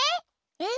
えっ！？